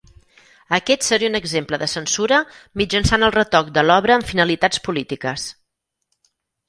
Aquest seria un exemple de censura mitjançant el retoc de l'obra amb finalitats polítiques.